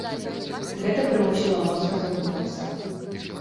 Гэта прымусіла моцна задумацца.